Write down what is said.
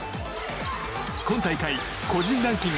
今大会個人ランキング